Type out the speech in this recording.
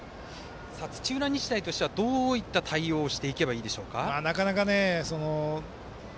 土浦日大としてはどういった対応をしていけばいいでしょうか？